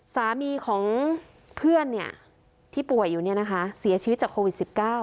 สามีของเพื่อนที่ป่วยอยู่เนี่ยนะคะเสียชีวิตจากโควิด๑๙